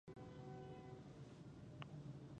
په افغانستان کې د زمرد تاریخ اوږد دی.